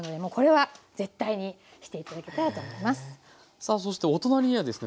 さあそしてお隣にはですね